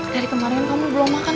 dari kemarin kamu belum makan